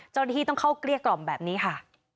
เจ้าหน้าที่ต้องเข้าเกลี้ยกล่อมแบบนี้ค่ะ